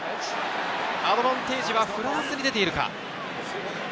アドバンテージはフランスに出ているか。